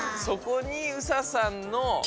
そこにＳＡさんの。